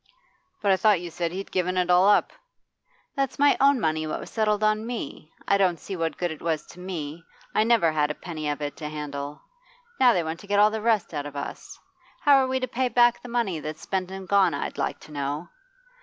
'But I thought you said you'd given it all up?' 'That's my own money, what was settled on me. I don't see what good it was to me; I never had a penny of it to handle. Now they want to get all the rest out of us. How are we to pay back the money that's spent and gone, I'd like to know?